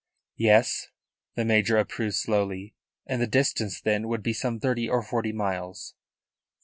"Yes," the major approved slowly. "And the distance, then, would be some thirty or forty miles?"